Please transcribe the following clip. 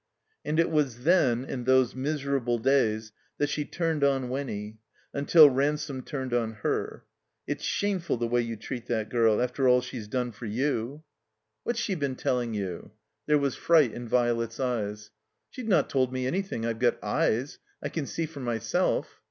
And it was then, in those miserable days, that she turned on Winny, imtil Ransome tinned on her. "It's shameful the way you treat that girl, after all she's done for you." 230 THE COMBINED MAZE '* What's she been telling you ?*' There was fright in Violet's eyes. ''She's not told me anything. I've got eyes. I can see for mjrself."